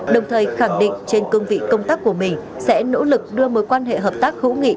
đồng thời khẳng định trên cương vị công tác của mình sẽ nỗ lực đưa mối quan hệ hợp tác hữu nghị